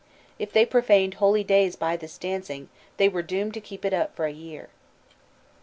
If they profaned holy days by this dancing, they were doomed to keep it up for a year.